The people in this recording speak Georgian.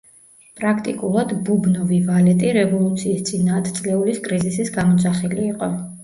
პრაქტიკულად „ბუბნოვი ვალეტი“ რევოლუციის წინა ათწლეულის კრიზისის გამოძახილი იყო.